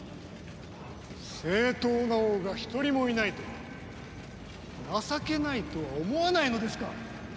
正当な王が一人もいないとは情けないとは思わないのですか！？